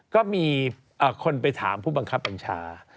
ก็มีคนไปถามผู้บังคับบัญชา